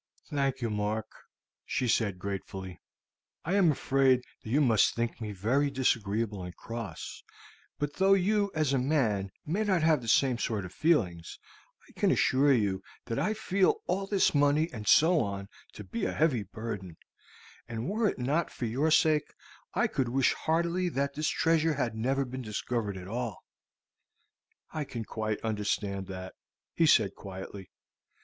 "Thank you, Mark," she said gratefully. "I am afraid that you must think me very disagreeable and cross; but though you, as a man, have not the same sort of feelings, I can assure you that I feel all this money and so on to be a heavy burden; and were it not for your sake I could wish heartily that this treasure had never been discovered at all." "I can quite understand that," he said quietly.